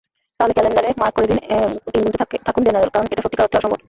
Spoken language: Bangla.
তাহলে ক্যালেন্ডারে মার্ক করে দিন গুনতে থাকুন জেনারেল, কারণ এটা সত্যিকার অর্থেই অসম্ভব।